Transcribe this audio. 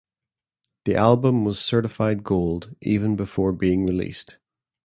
The album was certified gold even before being released.